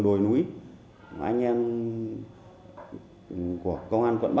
tổ chức xác minh